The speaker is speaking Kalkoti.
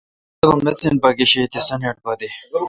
تبا مِسین پا گشے تے سانیٹ پا دے۔